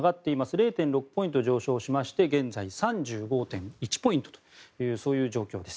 ０．６ポイント上昇しまして現在、３５．１ポイントというそういう状況です。